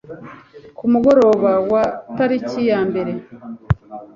Ku mugoroba wa tariki yambere